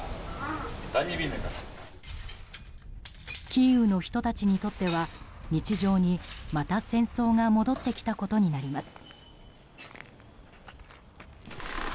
キーウの人たちにとっては日常にまた、戦争が戻ってきたことになります。